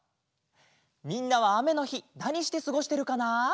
みんなはあめのひなにしてすごしてるかな？